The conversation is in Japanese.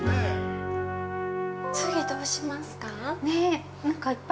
次どうしますか？